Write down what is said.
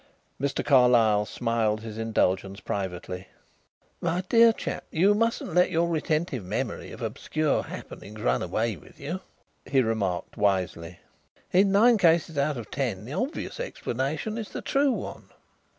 Mr. Carlyle smiled his indulgence privately. "My dear chap, you mustn't let your retentive memory of obscure happenings run away with you," he remarked wisely. "In nine cases out of ten the obvious explanation is the true one.